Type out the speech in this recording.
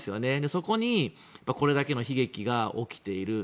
そこにこれだけの悲劇が起きている。